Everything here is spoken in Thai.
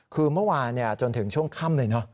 คือเมื่อวานจนถึงช่วงค่ำเลยเนอะ